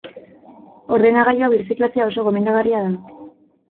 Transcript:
Ordenagailuak birziklatzea oso gomendagarria da.